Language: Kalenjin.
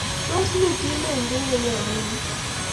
Tos mi chi ne inget koinyo eng' yu?